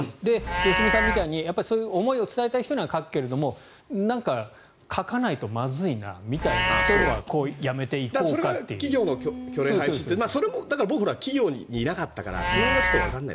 良純さんみたいにそういう思いを伝えたい人には書くけれどもなんか、書かないとまずいなみたいな人には企業が虚礼廃止というそれも僕ら企業にいなかったからその辺がちょっとわからない。